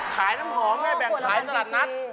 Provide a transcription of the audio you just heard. ขายน้ำหอมให้แบ่งขายตลาดนัด